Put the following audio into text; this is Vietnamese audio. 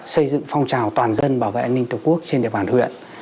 xây dựng phong trào toàn dân bảo vệ an ninh tổ quốc trên địa bàn huyện